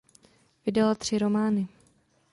Vydala tři romány.